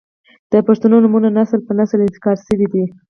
• د پښتو نومونه نسل پر نسل انتقال شوي دي.